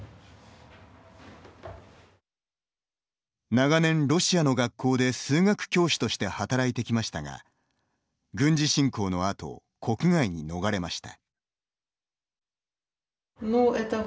長年ロシアの学校で数学教師として働いてきましたが軍事侵攻のあと国外に逃れました。